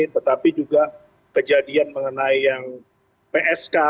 tetapi juga kejadian mengenai yang psk